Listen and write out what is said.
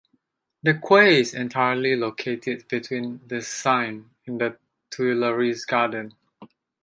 The quay is entirely located between the Seine and the Tuileries Garden.